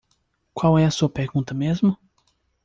Qual é a sua pergunta mesmo?